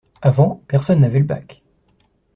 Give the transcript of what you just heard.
Avant, personne n’avait le bac.